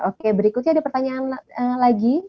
oke berikutnya ada pertanyaan lagi